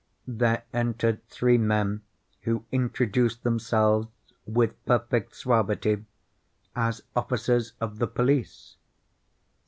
There entered three men, who introduced themselves, with perfect suavity, as officers of the police.